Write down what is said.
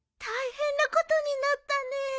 大変なことになったね。